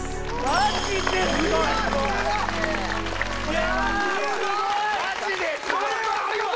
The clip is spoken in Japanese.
・マジですごい！